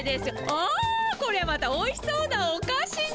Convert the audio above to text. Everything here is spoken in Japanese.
あこれはまたおいしそうなおかしが。